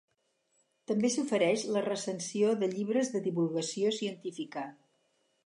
També s'ofereix la recensió de llibres de divulgació científica.